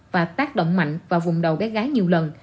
và tác động mạnh vào vùng đầu bé gái nhiều lần